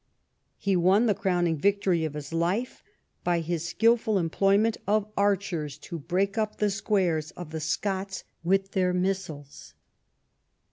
He Avon the croAvning victory of his life by his skilful employment of archers to Ijreak up the squares of the Scots Avith their missiles.